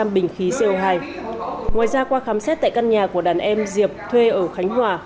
một ba trăm linh bình khí co hai ngoài ra qua khám xét tại căn nhà của đàn em diệp thuê ở khánh hòa